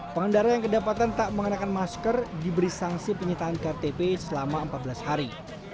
pengendara yang kedapatan tak mengenakan masker diberi sanksi penyitaan ktp selama empat belas hari